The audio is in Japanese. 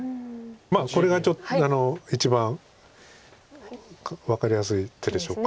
まあこれが一番分かりやすい手でしょうか。